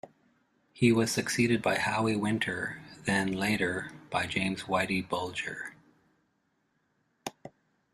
He was succeeded by Howie Winter then, later, by James "Whitey" Bulger.